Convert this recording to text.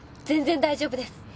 全然大丈夫です。